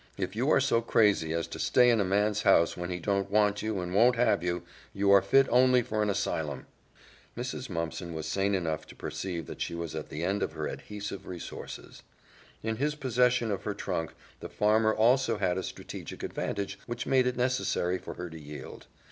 If you are so crazy as to stay in a man's house when he don't want you and won't have you, you are fit only for an asylum." Mrs. Mumpson was sane enough to perceive that she was at the end of her adhesive resources. In his possession of her trunk, the farmer also had a strategic advantage which made it necessary for her to yield.